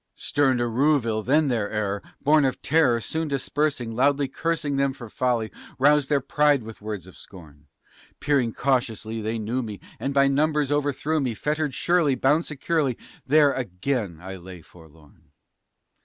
Stern De Rouville then their error, born of terror, soon dispersing, Loudly cursing them for folly, roused their pride with words of scorn; Peering cautiously they knew me, then by numbers overthrew me; Fettered surely, bound securely, there again I lay forlorn.